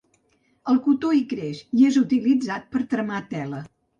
El cotó hi creix i és utilitzat per tramar tela.